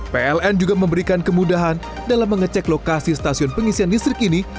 pln juga memberikan kemudahan dalam mengecek lokasi stasiun pengisian listrik ini